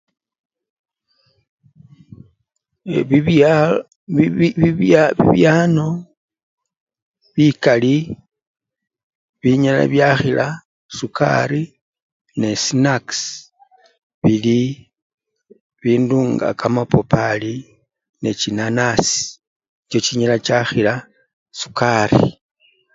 Ee! bibyal! bi! bi!bibyano bikali binyala bakhila sukali nesinacks, bili, bindu nga kamapapari nechinanasi nicho chinyala chakhila sukali.